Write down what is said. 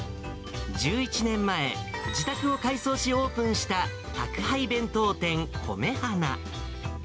１１年前、自宅を改装し、オープンした宅配弁当店、米花。